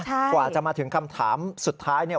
กว่าจะมาถึงคำถามสุดท้ายเนี่ย